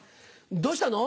どうしたの？